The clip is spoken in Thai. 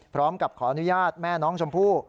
พร้อมกับขออนุญาตแม่น้องชมพู่